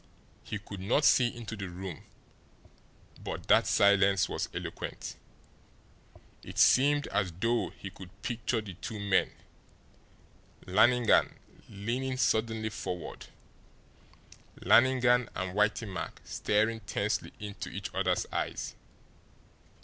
He could not see into the room, but that silence was eloquent. It seemed as though he could picture the two men Lannigan leaning suddenly forward Lannigan and Whitey Mack staring tensely into each other's eyes.